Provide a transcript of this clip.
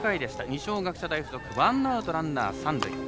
二松学舎大付属ワンアウト、ランナー、三塁。